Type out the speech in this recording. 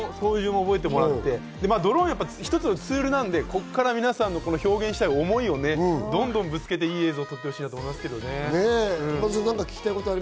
ドローンは一つのツールなんで、皆さんの表現したい思いをどんどんぶつけていい映像を作ってほしいなと思います。